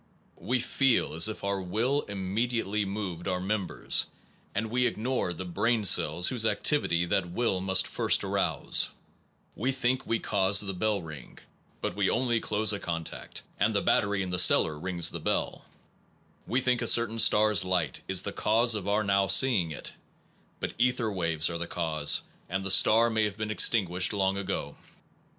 We feel as if our will im mediately moved our members, and we ignore the brain cells whose activity that will must first arouse; we think we cause the bell ring, but we only close a contact and the battery in the cellar rings the bell; we think a certain star s light is the cause of our now seeing it, but ether waves are the causes, and the star 208 NOVELTY AND CAUS>TION may have been extinguished long ago.